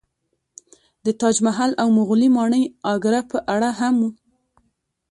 د تاج محل او مغولي ماڼۍ اګره په اړه هم